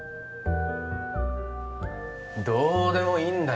どうでもいいんだよ